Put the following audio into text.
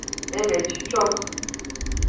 Evet, çok.